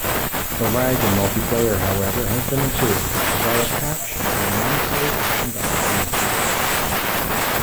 The lag in multiplayer, however, has been improved via patch by Namco Bandai Games.